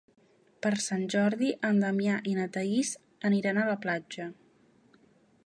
Per Sant Jordi en Damià i na Thaís aniran a la platja.